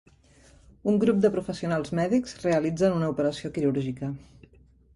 Un grup de professionals mèdics realitzen una operació quirúrgica.